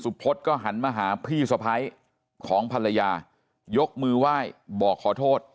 พศก็หันมาหาพี่สะพ้ายของภรรยายกมือไหว้บอกขอโทษ